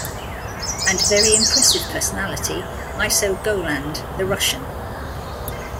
And a very impressive personality: Iso Golland, the Russian.